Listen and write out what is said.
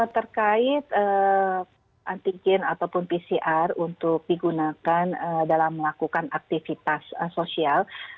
terkait antigen ataupun pcr untuk digunakan dalam melakukan aktivitas sosial